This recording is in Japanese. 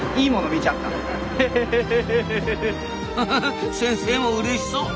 フフフ先生もうれしそう。